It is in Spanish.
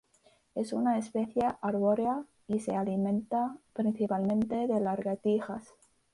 Es una especie arbórea y se alimenta principalmente de lagartijas